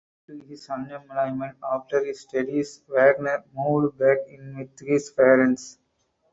Due to his unemployment after his studies Wagner moved back in with his parents.